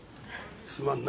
すまんな。